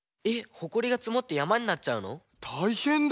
ほこりがつもってやまになっちゃうの⁉たいへんだ！